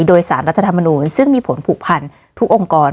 โดยสารรัฐธรรมนูลซึ่งมีผลผูกพันทุกองค์กร